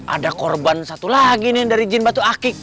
ada korban satu lagi nih yang dari jin batu akik